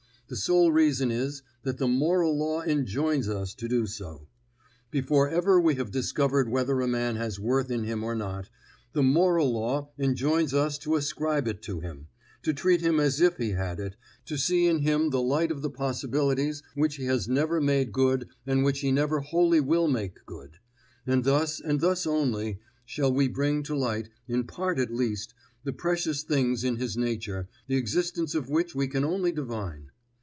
The sole reason is, that the moral law enjoins us to do so. Before ever we have discovered whether a man has worth in him or not, the moral law enjoins us to ascribe it to him, to treat him as if he had it, to see in him the light of the possibilities which he has never made good and which he never wholly will make good: and thus, and thus only, shall we bring to light, in part at least, the precious things in his nature, the existence of which we can only divine.